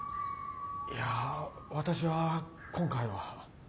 いや私は今回は。